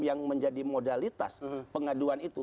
yang menjadi modalitas pengaduan itu